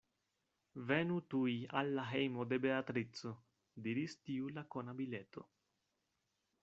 Venu tuj al la hejmo de Beatrico, diris tiu lakona bileto.